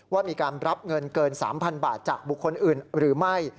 ว่ามีการรับเงินเกิน๓๐๐๐บาทจากบุคคลอื่นหรือไม่